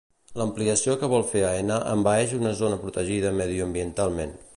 L'ampliació que vol fer Aena envaeix una zona protegida mediambientalment.